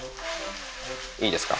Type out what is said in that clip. いいですか。